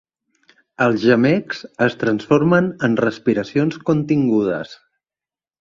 Els gemecs es transformen en respiracions contingudes.